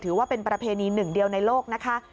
ถือว่าเป็นประเพณีหนึ่งเดียวในโลกนะคะ